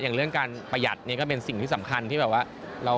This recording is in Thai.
อย่างเรื่องการประหยัดเนี่ยก็เป็นสิ่งที่สำคัญที่แบบว่า